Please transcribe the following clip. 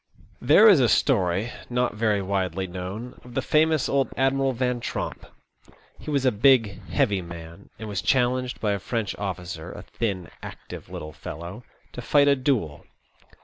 There is a story, not very widely known, of the famous old Admiral Van Tromp. He was a big, heavy man, and was challenged by a French oflScer, a thin, active, little fellow, to fight a duel.